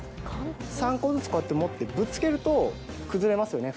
３個ずつこうやって持ってぶつけると崩れますよね